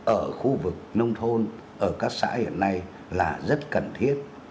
ở khu vực nông thôn ở các xã hiện nay là rất cần thiết